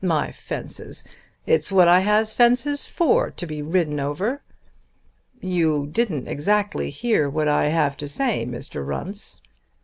My fences! It's what I has fences for, to be ridden over." "You didn't exactly hear what I have to say, Mr. Runce."